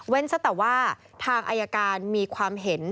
ซะแต่ว่าทางอายการมีความเห็น